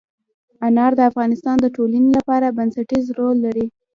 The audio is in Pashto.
انار د افغانستان د ټولنې لپاره بنسټيز رول لري.